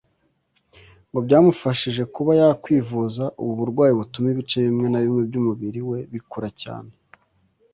ngo byamufashije kuba yakwivuza ubu burwayi butuma ibice bimwe na bimwe by’umubiri we bikura cyane